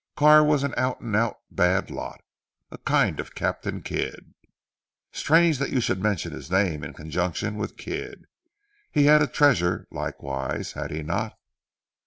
Carr was an out and out bad lot. A kind of Captain Kidd." "Strange that you should mention his name in conjunction with Kidd. He had a treasure likewise, had he not?"